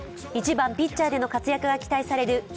１番・ピッチャーでの活躍が期待される